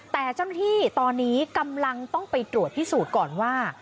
แต่เจ้าหน้าที่ตอนนี้กำลังต้องไปตรวจพิสูจน์ก่อนว่า